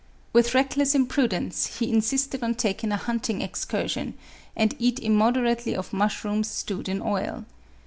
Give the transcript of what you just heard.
With reckless impru dence, he insisted on taking a hunting excursion, and eat immoderately of mushrooms stewed in oil.